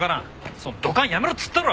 そのドカンやめろっつったろ！